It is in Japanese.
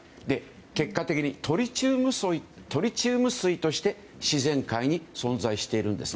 結果的にトリチウム水として自然界に存在しているんです。